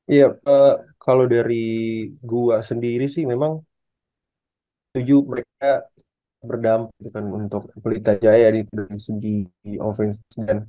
iya kalau dari gua sendiri sih memang tujuh mereka berdampak untuk pelita jaya di segi ofference